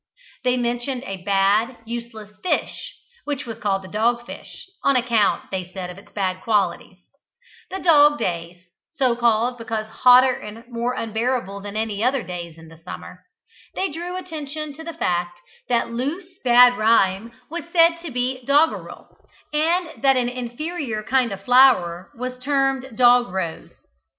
They mentioned a bad, useless fish which was called the dog fish, on account, they said, of its bad qualities; the dog days so called because hotter and more unbearable than any other days in the summer: they drew attention to the fact that loose, bad rhyme was said to be "doggerel," and that an inferior kind of flower was termed "dog rose."